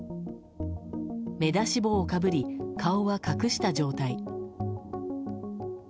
目出し帽をかぶり顔は隠した状態。